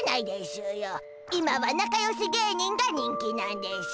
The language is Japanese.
今はなかよし芸人が人気なんでしゅ。